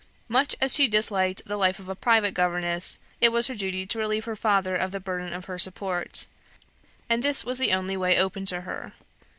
Much as she disliked the life of a private governess, it was her duty to relieve her father of the burden of her support, and this was the only way open to her.